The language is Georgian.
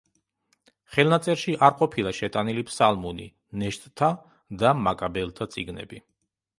ხელნაწერში არ ყოფილა შეტანილი ფსალმუნი, ნეშტთა და მაკაბელთა წიგნები.